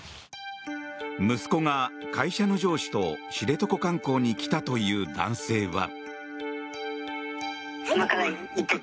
息子が会社の上司と知床観光に来たという男性は。